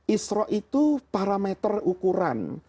isra' itu parameter ukuran